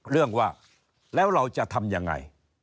เรื่องว่าแล้วเราจะทำยังไง